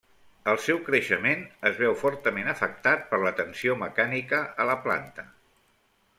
El seu creixement es veu fortament afectat per la tensió mecànica a la planta.